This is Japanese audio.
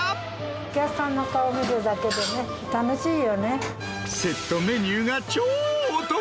お客さんの顔見るだけでね、セットメニューが超お得。